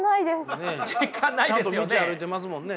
ちゃんと道歩いてますもんね。